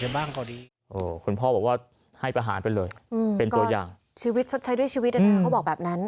ชีวิตชดใช้ด้วยชีวิตนะครับเขาบอกแบบนั้น